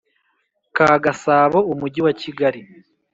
Ka gasabo umujyi wa kigali